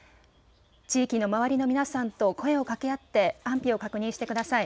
地域の周りの皆さんと声をかけ合って安否を確認してください。